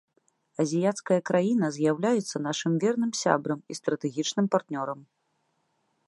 Азіяцкая краіна з'яўляецца нашым верным сябрам і стратэгічным партнёрам.